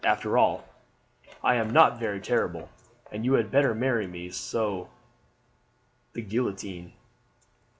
After all I am not very terrible, and you had better marry me than the guillotine."